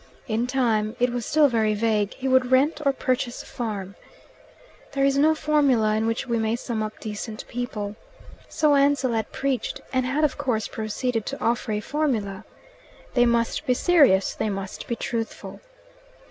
In time it was still very vague he would rent or purchase a farm. There is no formula in which we may sum up decent people. So Ansell had preached, and had of course proceeded to offer a formula: "They must be serious, they must be truthful."